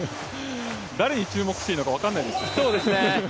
誰に注目していいのか分かんないです。